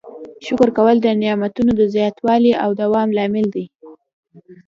شکر کول د نعمتونو د زیاتوالي او دوام لامل دی.